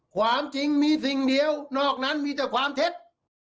ความจริงมีสิ่งเดียวนอกนั้นมีแต่ความเท็จ